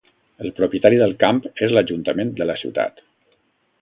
El propietari del camp és l'ajuntament de la ciutat.